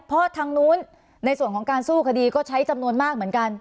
เพราะทางนู้นในส่วนของการสู้คดีก็ใช้จำนวนมากเหมือนกัน